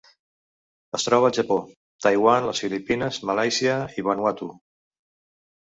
Es troba al Japó, Taiwan, les Filipines, Malàisia i Vanuatu.